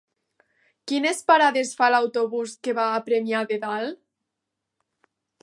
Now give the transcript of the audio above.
Quines parades fa l'autobús que va a Premià de Dalt?